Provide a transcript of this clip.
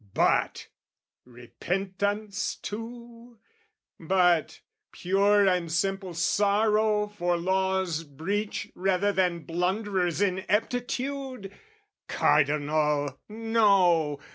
But, repentance too? But pure and simple sorrow for law's breach Rather than blunderer's ineptitude? Cardinal, no!